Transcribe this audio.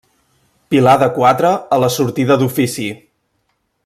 Pilar de quatre a la sortida d’Ofici.